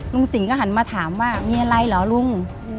สิ่งก็หันมาถามว่ามีอะไรเหรอลุง